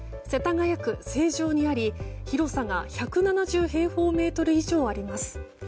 世田谷区成城にあり広さが１７０平方メートル以上あります。